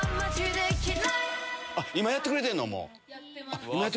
今やってくれてんの⁉